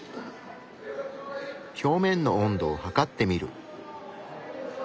表面の温度を測ってみる。